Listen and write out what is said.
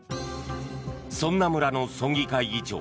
そんな村の村議会議長